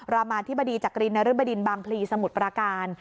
รามาธิบดีจักรินนรึบดินบางพลีสมุทรปราการ